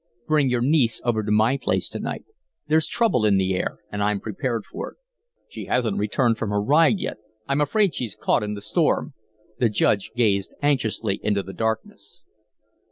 "Bring your niece over to my place to night. There's trouble in the air and I'm prepared for it." "She hasn't returned from her ride yet. I'm afraid she's caught in the storm." The Judge gazed anxiously into the darkness.